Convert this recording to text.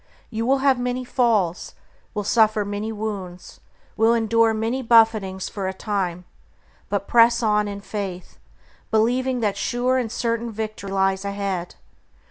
You will have many falls, will suffer many wounds, will endure many buffetings for a time, but press on in faith, believing that sure and certain victory lies ahead.